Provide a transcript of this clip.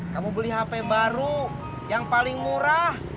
kamu beli hp baru yang paling murah